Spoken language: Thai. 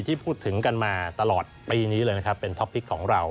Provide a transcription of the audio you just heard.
ที่พูดถึงกันมาตลอดปีนี้เลยนะครับเป็นท็อปพลิกของเรา